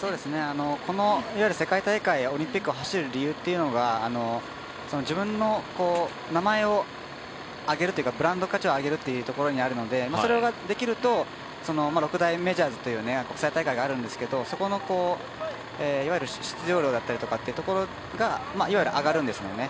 この世界大会やオリンピックを走る理由っていうのが自分の名前を上げるというかブランド価値を上げるというところにあるのでそれができると、六大メジャーズという国際大会があるんですけどそこのいわゆる出場料だったりが上がるんですよね。